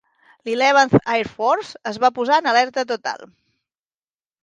L'Eleventh Air Force es va posar en alerta total.